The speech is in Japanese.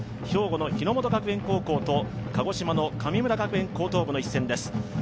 兵庫の日ノ本学園と鹿児島の神村学園の一戦です。